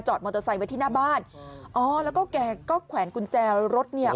มอเตอร์ไซค์ไว้ที่หน้าบ้านอ๋อแล้วก็แกก็แขวนกุญแจรถเนี่ย